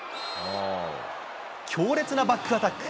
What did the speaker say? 強烈なバックアタック。